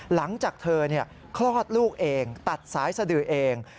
หลังจากเธอคลอดลูกเองตัดสายสดือเอง